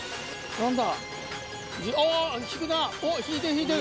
何だ？